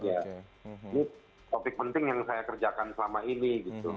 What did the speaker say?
ini topik penting yang saya kerjakan selama ini gitu